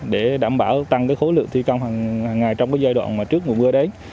để đảm bảo tăng khối lượng thi công hằng ngày trong giai đoạn trước mùa mưa đấy